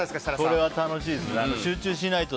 これは楽しいですね。